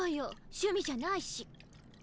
趣味じゃないし。